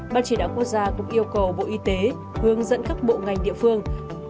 ban chỉ đạo quốc gia cũng yêu cầu bộ y tế hướng dẫn các bộ ngành địa phương